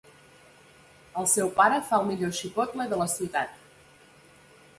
El seu pare fa el millor xipotle de la ciutat!